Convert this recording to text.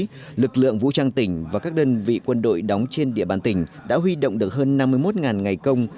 từ năm hai nghìn một mươi bốn đến nay lực lượng vũ trang tỉnh và các đơn vị quân đội đóng trên địa bàn tỉnh đã huy động được hơn năm mươi một ngày công